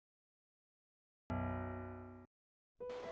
โปรดติดตามตอนต่อไป